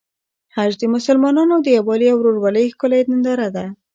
حج د مسلمانانو د یووالي او ورورولۍ ښکلی ننداره ده.